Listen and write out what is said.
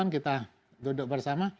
kita duduk bersama